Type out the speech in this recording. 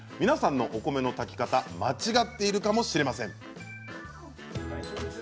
皆さんのお米の炊き方間違っているかもしれません。